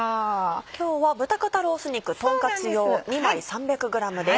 今日は豚肩ロース肉とんカツ用２枚３００ｇです。